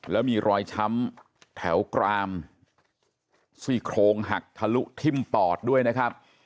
แล้วมีรอยช้ำแถวกรามซี่โครงหักทะลุทิ่มปอดด้วยนะครับ